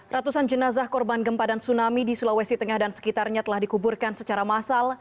ratusan jenazah korban gempa dan tsunami di sulawesi tengah dan sekitarnya telah dikuburkan secara massal